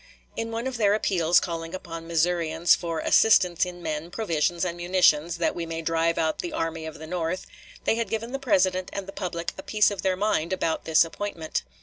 In one of their appeals calling upon the Missourians for "assistance in men, provisions, and munitions, that we may drive out the 'Army of the North,'" they had given the President and the public a piece of their mind about this appointment.